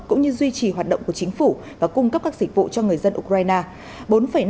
cũng như duy trì hoạt động của chính phủ và cung cấp các dịch vụ cho người dân ukraine